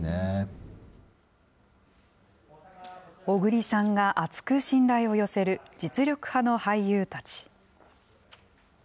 小栗さんが厚く信頼を寄せる実力派の俳優たち。